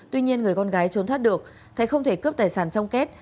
tuy nhiên người con gái trốn thoát được thấy không thể cướp tài sản trong kết